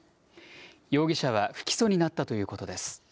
容疑者は不起訴になったということです。